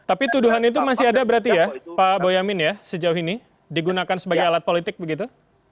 tapi tuduhan itu masih ada berarti ya pak boyamin ya sejauh ini digunakan sebagai alat politik begitu